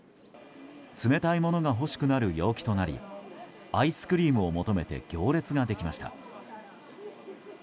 冷たいものが欲しくなる陽気となりアイスクリームを求めて行列ができました。